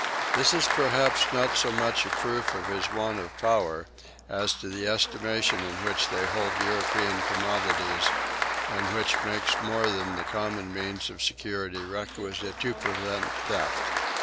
This is perhaps not so much a proof of his want of power as of the estimation in which they hold European commodities and which makes more than the common means of security requisite to prevent theft.